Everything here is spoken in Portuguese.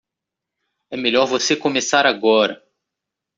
É melhor você começar agora.